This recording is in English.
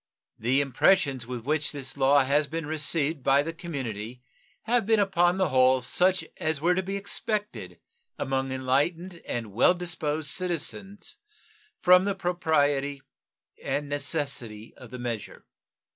The impressions with which this law has been received by the community have been upon the whole such as were to be expected among enlightened and well disposed citizens from the propriety and necessity of the measure.